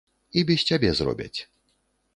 І без цябе зробяць.